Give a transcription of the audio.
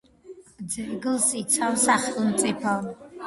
ძეგლს იცავს სახელმწიფო.